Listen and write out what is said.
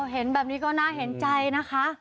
เห็นแบบนี้ก็น่าเห็นใจนะคะ